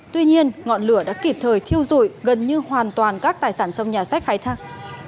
tuy nhiên ngọn lửa đã kịp thời thiêu rụi gần như hoàn toàn các tài sản trong nhà sách thái khang